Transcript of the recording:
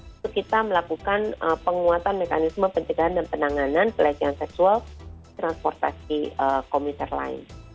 itu kita melakukan penguatan mekanisme pencegahan dan penanganan pelecehan seksual transportasi komputer lain